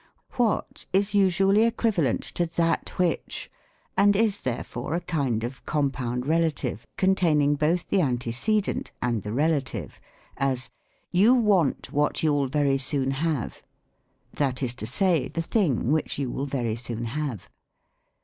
What is usually equivalent to tJutt which, and is, there fore, a kind of compound relative, containing both the antecedent and the relative ; as, *' You want what you'll very soon have !" that is to say, the thing which you will very soon have.